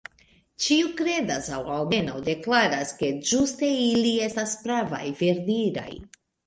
Ĉiu kredas, aŭ almenaŭ deklaras, ke ĝuste ili estas pravaj, verdiraj.